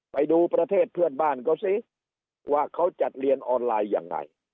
ไปดูประเทศเพื่อนบ้านเขาสิว่าเขาจัดเรียนออนไลน์ยังไง